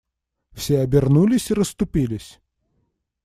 Все обернулись и расступились.